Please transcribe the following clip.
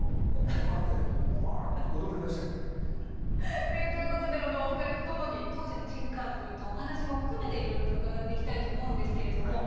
ここまでうわって驚きましたけどね。ということでお二人と共に当時のチェッカーズのお話も含めていろいろと伺っていきたいと思うんですけれども。